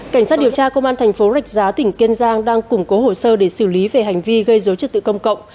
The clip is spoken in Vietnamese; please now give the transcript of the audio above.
cảnh sát điều tra công an thành phố rạch giá tỉnh kiên giang đang củng cố hồ sơ để xử lý về hành vi gây dối trật tự công cộng